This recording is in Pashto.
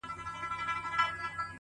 هم راته غم راکړه ته ـ او هم رباب راکه ـ